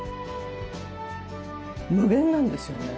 無限なんですよね。